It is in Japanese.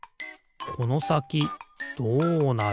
このさきどうなる？